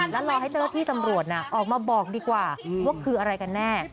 แล้วรอให้เจ้าหน้าที่ตำรวจออกมาบอกดีกว่าว่าคืออะไรกันแน่